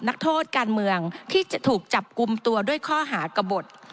นักโทษการเมืองที่จะถูกจับกลุ่มตัวด้วยข้อหากระบด